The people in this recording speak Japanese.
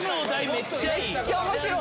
めっちゃ面白い。